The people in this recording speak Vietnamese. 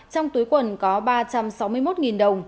trong túi quần có ba trăm sáu mươi một đồng